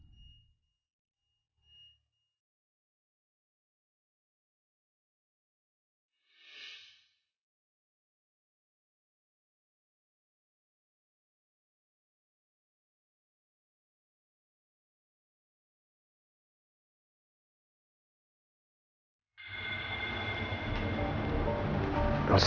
apa ada caranya